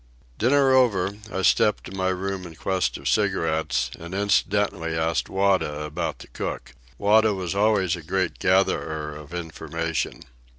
Dinner over, I stepped to my room in quest of cigarettes, and incidentally asked Wada about the cook. Wada was always a great gatherer of information.